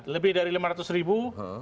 lebih dari lima ratus ribu